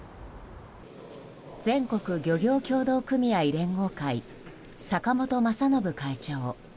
全国漁業協同組合連合会坂本雅信会長。